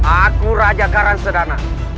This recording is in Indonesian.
aku raja karansedana